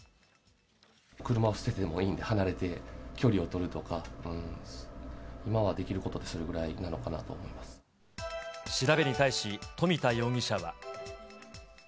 車を捨ててでもいいんで、離れて距離を取るとか、今はできることはそれぐらいなのかなと思調べに対し富田容疑者は。